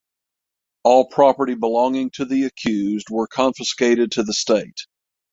All property belonging to the accused were confiscated to the state.